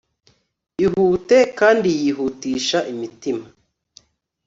Ihute kandi yihutisha imitima